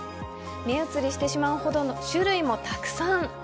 目移りしてしまうほど種類もたくさん。